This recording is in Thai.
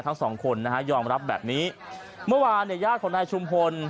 ทั้งสองคนนะฮะยอมรับแบบนี้เมื่อวานเนี่ยญาติของนายชุมพล